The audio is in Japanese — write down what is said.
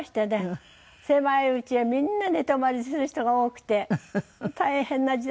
狭いうちでみんな寝泊まりする人が多くて大変な時代を。